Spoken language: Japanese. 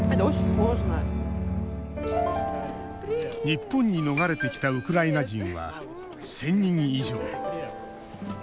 日本に逃れてきたウクライナ人は１０００人以上。